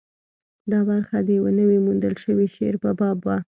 دا برخه د یوه نوي موندل شوي شعر په باب وه.